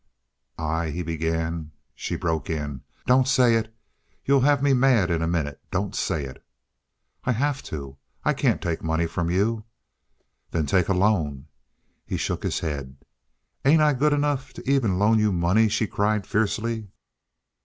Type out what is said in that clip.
"I " he began. She broke in: "Don't say it. You'll have me mad in a minute. Don't say it." "I have to. I can't take money from you." "Then take a loan." He shook his head. "Ain't I good enough to even loan you money?" she cried fiercely.